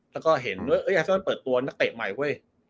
แล้วก็เห็นด้วยยาซอนเปิดตัวนักเตะใหม่เว้ย